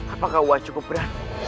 apakah uang cukup berat